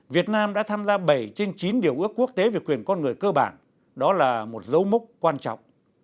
việt nam đã tham gia bảy trên chín điều ước quốc tế về quyền con người cơ bản đó là một dấu mốc quan trọng